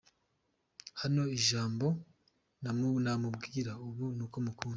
Naho ijambo namubwira ubu n’uko mukunda.